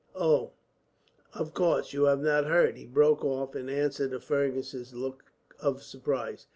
"Oh, of course, you have not heard!" he broke off, in answer to Fergus's look of surprise.